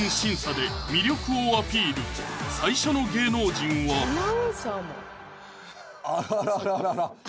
最初の芸能人はあららららら